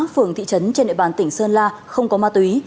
phường thị trấn trên địa bàn tỉnh sơn la không có ma túy